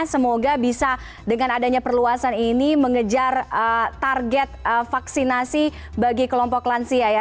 semoga bisa dengan adanya perluasan ini mengejar target vaksinasi bagi kelompok lansia ya